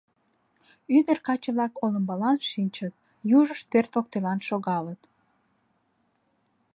Ӱдыр-каче-влак олымбалан шинчыт, южышт пӧрт воктелан шогалыт.